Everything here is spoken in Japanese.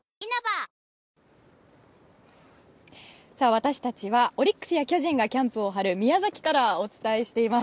私たちはオリックスや巨人がキャンプを張る宮崎からお伝えしています。